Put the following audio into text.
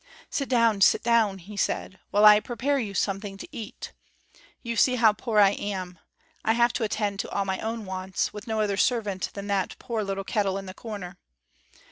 "Sit down, sit down," he said, "while I prepare you something to eat. You see how poor I am. I have to attend to all my own wants, with no other servant than that poor little kettle in the corner.